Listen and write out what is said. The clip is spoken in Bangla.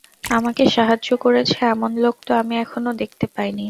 আমাকে সাহায্য করেছে, এমন লোক তো আমি এখনও দেখতে পাইনি।